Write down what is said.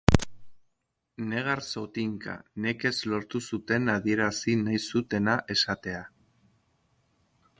Negar zotinka, nekez lortu zuten adierazi nahi zutena esatea.